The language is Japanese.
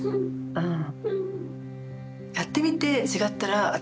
うん。